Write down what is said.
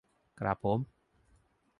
กระผม